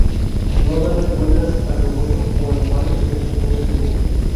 No darle vueltas a lo bueno o a lo malo es un buen truco.